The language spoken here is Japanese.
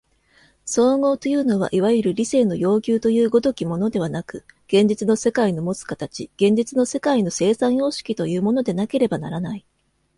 綜合というのはいわゆる理性の要求という如きものではなく、現実の世界のもつ形、現実の世界の生産様式というものでなければならない。